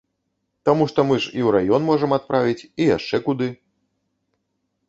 Таму што мы ж і ў раён можам адправіць і яшчэ куды.